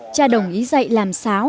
cha đồng ý dạy làm sáo